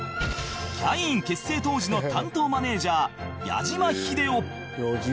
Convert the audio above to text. キャイン結成当時の担当マネジャー矢島秀夫